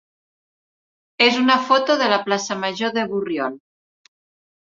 és una foto de la plaça major de Borriol.